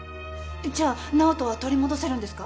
じゃあ直人は取り戻せるんですか？